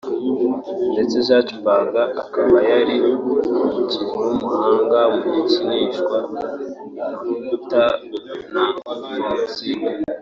ndetse Zuckerberg akaba yari umukinnyi w’umuhanga mu gukinisha inkota nto (fencing)